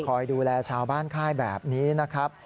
คอยดูแลชาวบ้านค่ายแบบนี้นะครับ